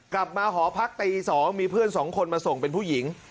หอพักตี๒มีเพื่อน๒คนมาส่งเป็นผู้หญิง